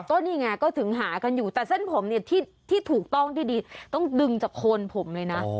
ก็นี่ไงก็ถึงหากันอยู่แต่เส้นผมเนี่ยที่ถูกต้องที่ดีต้องดึงจากโคนผมเลยนะ